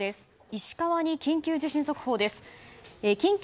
石川に緊急地震速報です。